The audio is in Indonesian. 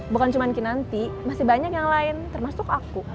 bukan cuma kinanti masih banyak yang lain termasuk aku